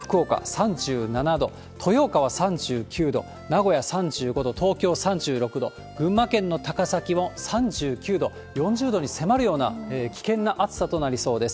まずはきょうの天気と最高気温ですが、大阪、広島、福岡３７度、豊岡は３９度、名古屋３５度、東京３６度、群馬県の高崎も３９度、４０度に迫るような危険な暑さとなりそうです。